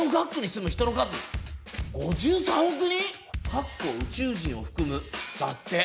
カッコ宇宙人を含むだって！